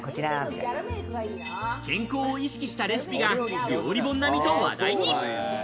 健康を意識したレシピが料理本並みと話題に。